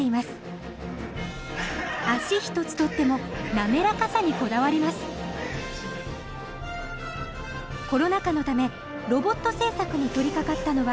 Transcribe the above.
足一つとっても滑らかさにこだわりますコロナ禍のためロボット製作に取りかかったのは夏休み明け。